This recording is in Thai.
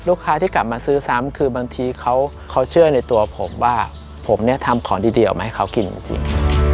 ลูกค้าที่กลับมาซื้อซ้ำคือบางทีเขาเชื่อในตัวผมว่าผมเนี่ยทำของดีออกมาให้เขากินจริง